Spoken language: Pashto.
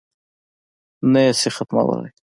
نه یې شي ختمولای.